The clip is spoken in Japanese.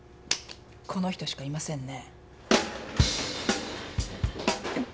この人しかいませんね。